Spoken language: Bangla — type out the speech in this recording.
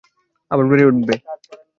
আবার বেড়ে উঠবে।